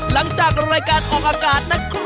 หลังจากรายการออกอากาศนะครับ